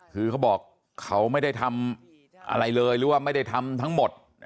คือเขาบอกเขาไม่ได้ทำอะไรเลยหรือว่าไม่ได้ทำทั้งหมด